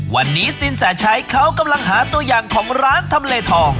วันนี้สินแสชัยเขากำลังหาตัวอย่างของร้านทำเลทอง